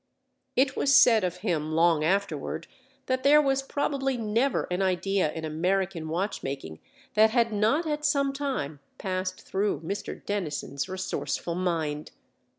It was said of him long afterward that there was probably never an idea in American watch making that had not at some time passed through Mr. Dennison's resourceful mind.